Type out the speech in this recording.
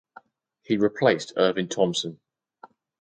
He replaced Ervin Thomson.